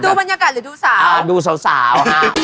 ดูบรรยากาศหรือดูสาว